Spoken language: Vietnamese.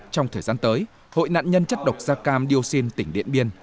trong thời gian tới hội nạn nhân chất độc da cam điêu sinh tỉnh điện biên